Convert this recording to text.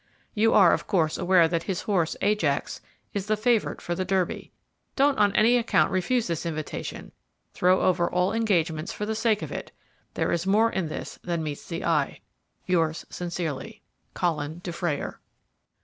You are, of course, aware that his horse, Ajax, is the favourite for the Derby. Don't on any account refuse this invitation throw over all other engagements for the sake of it. There is more in this than meets the eye. "Yours sincerely. "COLIN DUFRAYER."